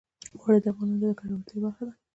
اوړي د افغانانو د ګټورتیا برخه ده.